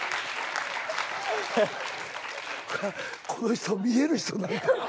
この人見える人なんだ。